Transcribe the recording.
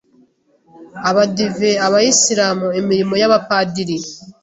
abadive, abayisilamu, imirimo y’abapadiri,